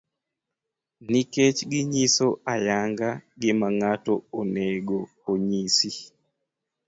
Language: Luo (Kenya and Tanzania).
nikech ginyiso ayanga gima ng'ato onego nyisi.